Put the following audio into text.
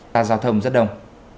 đã giao thông rất đông